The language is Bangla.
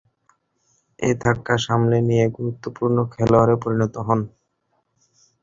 এ ধাক্কা সামলে নিয়ে গুরুত্বপূর্ণ খেলোয়াড়ে পরিণত হন।